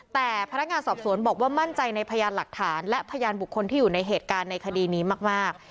แต่พนักงานสอบสวนบอกว่ามั่นใจในพยานหลักฐานและพยานบุคคลที่อยู่ในเหตุการณ์ในคดีนี้มาก